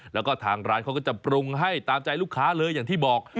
แล้วก็ทางร้านเขาก็จะปรุงให้ตามใจลูกค้าเลยอย่างที่บอก